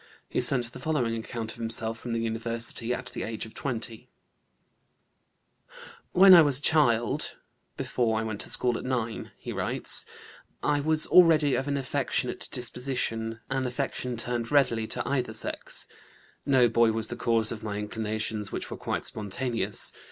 He sent the following account of himself from the University at the age of 20: "When I was a child (before I went to school at 9)," he writes, "I was already of an affectionate disposition, an affection turned readily to either sex. No boy was the cause of my inclinations, which were quite spontaneous.